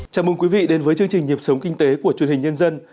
chào mừng quý vị đến với chương trình nhịp sống kinh tế của truyền hình nhân dân